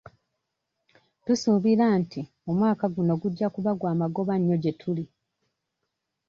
Tusuubira nti omwaka guno gujja kuba gwa magoba nnyo gye tuli.